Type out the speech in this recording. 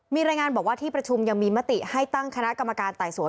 มีรายงานบอกว่าที่ประชุมยังมีมติให้ตั้งคณะกรรมการไต่สวน